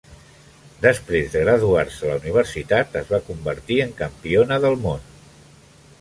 Després de graduar-se a la universitat es va convertir en campiona del món.